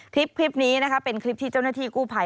คลิปนี้นะคะเป็นคลิปที่เจ้าหน้าที่กู้ภัย